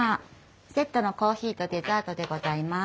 セットのコーヒーとデザートでございます。